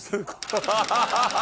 ハハハハ。